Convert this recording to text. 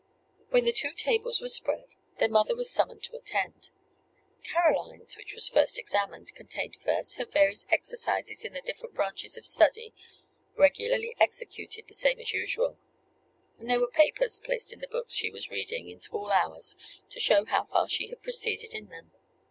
When the two tables were spread, their mother was summoned to attend. Caroline's, which was first examined, contained, first, her various exercises in the different branches of study, regularly executed the same as usual. And there were papers placed in the books she was reading in school hours, to show how far she had proceeded in them.